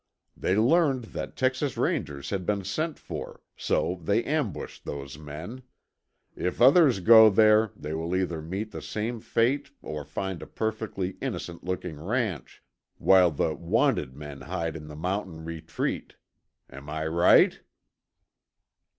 They learned that Texas Rangers had been sent for, so they ambushed those men. If others go there, they will either meet the same fate or find a perfectly innocent looking ranch, while the 'wanted' men hide in the mountain retreat. Am I right?"